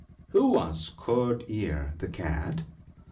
' Who was Curd ear, the Cat?'